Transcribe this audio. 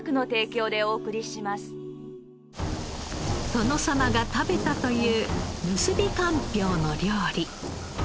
殿様が食べたという結びかんぴょうの料理。